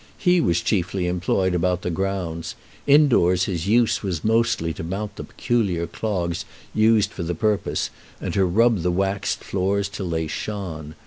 He was chiefly employed about the grounds; in doors his use was mostly to mount the peculiar clogs used for the purpose, and rub the waxed floors till they shone.